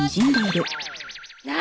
何？